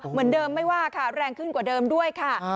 เหมือนเดิมไม่ว่าค่ะแรงขึ้นกว่าเดิมด้วยค่ะ